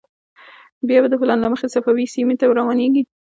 بیا به د پلان له مخې صفوي سیمې ته روانېږو.